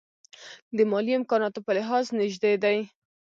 د مالي امکاناتو په لحاظ نژدې دي.